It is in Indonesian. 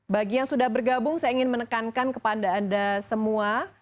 bagi yang sudah bergabung saya ingin menekankan kepada anda semua